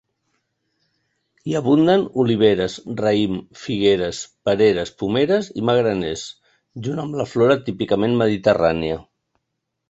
Hi abunden oliveres, raïm, figueres, pereres, pomeres i magraners, junt amb la flora típicament mediterrània.